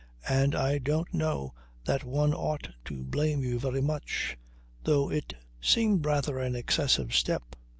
And I don't know that one ought to blame you very much though it seemed rather an excessive step.